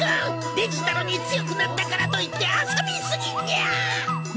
デジタルに強くなったからといって遊び過ぎにゃ！